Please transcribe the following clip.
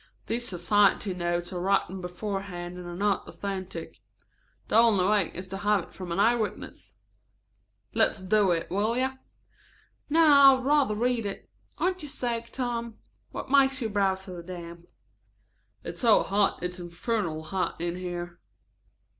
These society notes are written beforehand and are not authentic. The only way is to have it from an eye witness. Let's do it, will you?" "No, I would rather read it. Aren't you sick, Tom? What makes your brow so damp?" "It's so hot, it's infernally hot in here."